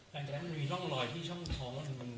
แต่งแต่มันมีรอยที่ช่องท้อง